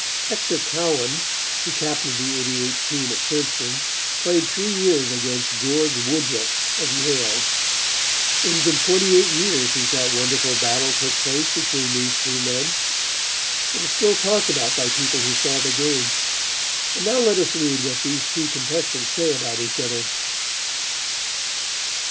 Hector Cowan, who captained the '88 team at Princeton, played three years against George Woodruff of Yale. It has been twenty eight years since that wonderful battle took place between these two men. It is still talked about by people who saw the game, and now let us read what these two contestants say about each other.